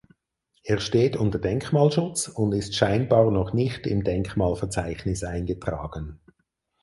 Er steht unter Denkmalschutz und ist scheinbar noch nicht im Denkmalverzeichnis eingetragen.